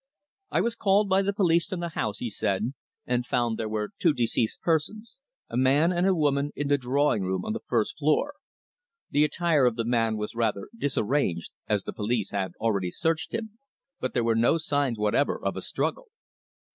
"I was called by the police to the house," he said, "and found there two deceased persons, a man and a woman, in the drawing room on the first floor. The attire of the man was rather disarranged, as the police had already searched him, but there were no signs whatever of a struggle."